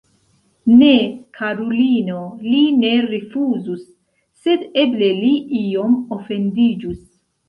Ne, karulino, li ne rifuzus, sed eble li iom ofendiĝus.